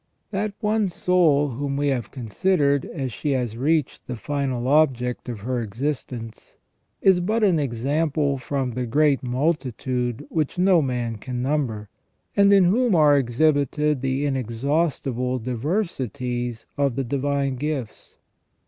That one soul whom we have considered as she has reached the final object of her existence, is but an example from the great multitude which no man can number, and in whom are exhibited the inexhaustible diversities of the divine gifts.